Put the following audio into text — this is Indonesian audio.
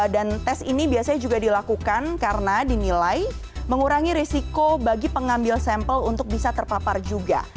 dan tes ini juga biasanya dilakukan karena dinilai mengurangi risiko bagi pengambil sampel untuk bisa terpapar juga